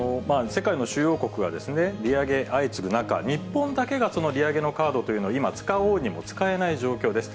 世界の主要国が利上げ相次ぐ中、日本だけが利上げのカードというのを今、使おうにも使えない状況です。